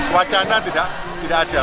wacana tidak ada